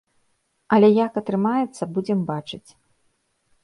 Але як атрымаецца, будзем бачыць.